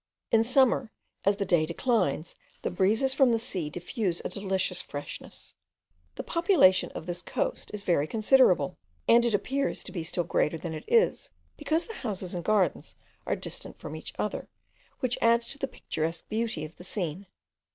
In summer, as the day declines, the breezes from the sea diffuse a delicious freshness. The population of this coast is very considerable; and it appears to be still greater than it is, because the houses and gardens are distant from each other, which adds to the picturesque beauty of the scene.